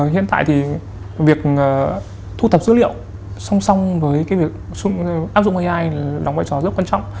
hiện tại thì việc thu thập dữ liệu song song với việc áp dụng ai đóng vai trò rất quan trọng